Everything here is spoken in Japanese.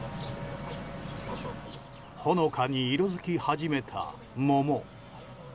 ほのかに色づき始めた桃。